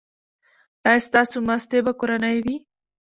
ایا ستاسو ماستې به کورنۍ وي؟